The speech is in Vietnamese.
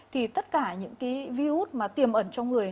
thì tất cả những cái virus mà tiềm ẩn trong người